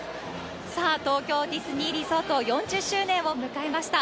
さあ、東京ディズニーリゾート、４０周年を迎えました。